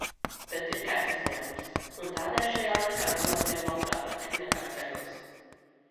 Bet ir kāds izņēmums. Un tā dēļ šajā laikā gulēt eju labprātāk, nekā ceļos.